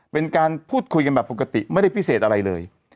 เป็นการพูดคุยกันแบบปกติไม่ได้พิเศษอะไรเลย